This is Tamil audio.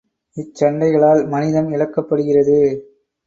இச்சண்டைகளால் மனிதம் இழக்கப்படுகிறது!